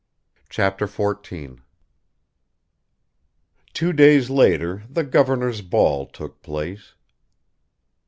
Chapter 14 TWO DAYS LATER THE GOVERNOR'S BALL TOOK PLACE.